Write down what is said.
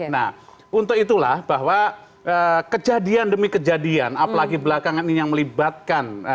nah untuk itulah bahwa kejadian demi kejadian apalagi belakangan ini yang melibatkan